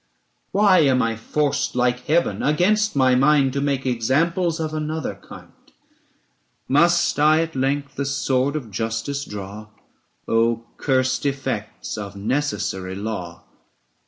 Why am I forced, like Heaven, against my mind 1000 /To make examples of another kind? Must I at length the sword of justice draw ? Oh curst effects of necessary law !